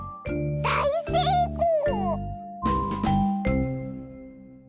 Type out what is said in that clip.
だいせいこう！